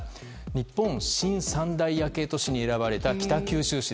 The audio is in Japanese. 日本新三大夜景都市に選ばれた北九州市。